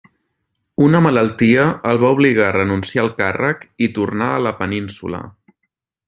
Una malaltia el va obligar a renunciar al càrrec i tornà a la Península.